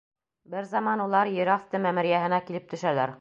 Бер заман улар ер аҫты мәмерйәһенә килеп төшәләр.